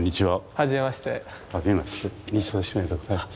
はじめまして西田俊英でございます。